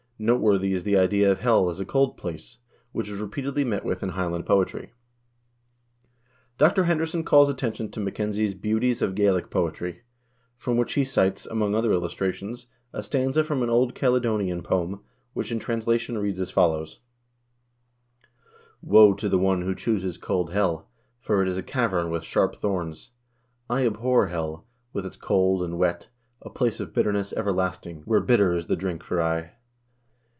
Noteworthy is the idea of hell as a cold place, which is repeatedly met with in Highland poetry. Dr. Henderson calls attention to Mackenzie's "Beauties of Gaelic Poetry," from which he cites, among other illustrations, a stanza from an old Caledonian poem which in translation reads as follows :" Woe to the one who chooses cold Hell, for it is a cavern with sharp thorns : I abhor Hell, with its cold and wet, a place of bitterness ever lasting, where bitter is the drink for aye."